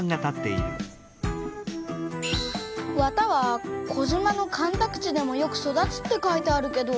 「綿は児島の干拓地でもよく育つ」って書いてあるけど。